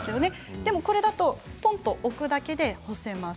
でも、これだと置くだけで干せます。